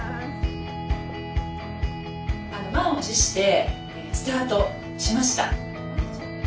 満を持してスタートしました。